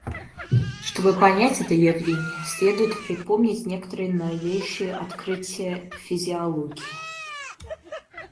Чтобы понять это явление, следует припомнить некоторые новейшие открытия физиологии.